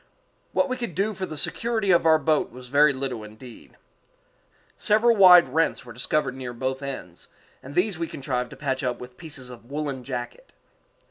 What we could do for the security of our boat was very little indeed. Several wide rents were discovered near both ends, and these we contrived to patch up with pieces of woollen jacket.